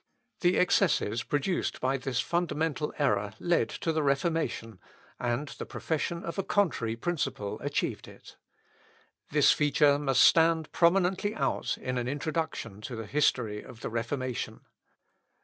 The excesses produced by this fundamental error led to the Reformation, and the profession of a contrary principle achieved it. This feature must stand prominently out in an introduction to the history of the Reformation.